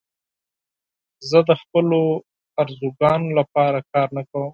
زه د خپلو آرزوګانو لپاره کار نه کوم.